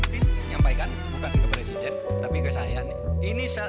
menyampaikan bukan ke presiden tapi ke saya nih